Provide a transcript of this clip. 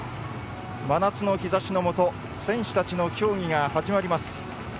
真夏の日差しのもと選手たちの競技が始まります。